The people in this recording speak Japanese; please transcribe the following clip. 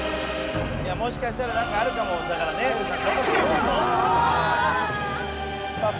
もしかしたらなんかあるかもだからね。あーっ！